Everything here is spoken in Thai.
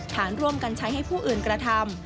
ฐานร่วมกันใช้ให้ผู้อื่นกระทำ